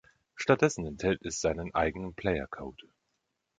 Stattdessen enthält es seinen eigenen Player-Code.